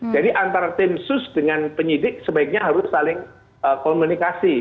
jadi antara tim sus dengan penyidik sebaiknya harus saling komunikasi